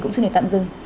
cũng xin để tạm dừng